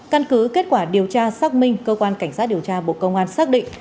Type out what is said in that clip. căn cứ kết quả điều tra xác minh cơ quan cảnh sát điều tra bộ công an xác định